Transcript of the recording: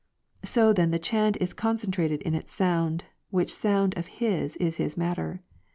So then the chant is concentrated in its sound, which sound of his is his matter.